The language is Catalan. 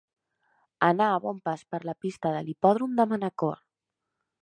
Anar a bon pas per la pista de l'hipòdrom de Manacor.